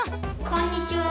こんにちは。